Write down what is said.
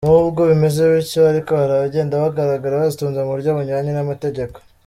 Nubwo bimeze bityo ariko hari abagenda bagaragara bazitunze mu buryo bunyuranye n’amategeko.